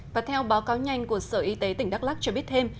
và theo báo cáo nhanh của sở y tế tỉnh đắk lắc cho biết thêm